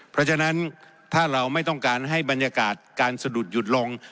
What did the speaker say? เพราะฉะนั้นถ้าเราไม่ต้องการให้บรรยากาศการสะดุดหยุดลง